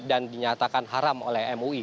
dinyatakan haram oleh mui